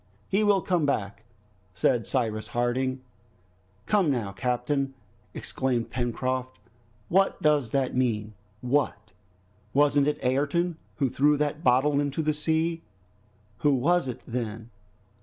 "He will come back," said Cyrus Harding. "Come, now, captain," exclaimed Pencroft, "what does that mean? What! wasn't it Ayrton who threw that bottle into the sea? Who was it then?"